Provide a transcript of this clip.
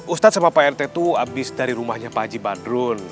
ustadz sama pak rt itu habis dari rumahnya pak haji badrun